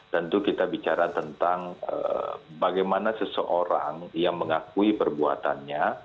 tentu kita bicara tentang bagaimana seseorang yang mengakui perbuatannya